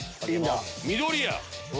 緑や！